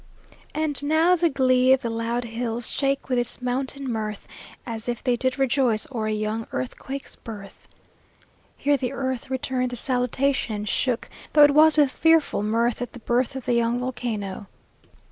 "And now, the glee Of the loud hills shakes with its mountain mirth, As if they did rejoice o'er a young earthquake's birth." Here the earth returned the salutation, and shook, though it was with fearful mirth, at the birth of the young volcano.